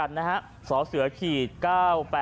สวัสดีครับ